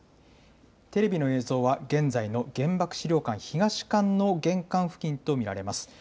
テレビの映像は現在の原爆資料館東館の玄関付近と見られます。